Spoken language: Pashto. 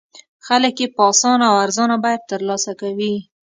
خلک یې په اسانه او ارزانه بیه تر لاسه کوي.